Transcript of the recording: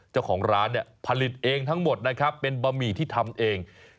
เจ้าของร้านเนี่ยผลิตเองทั้งหมดนะครับเป็นบะหมี่ที่ทำเอง